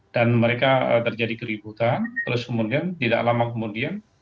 dan mereka terjadi keributan terus kemudian tidak lama kemudian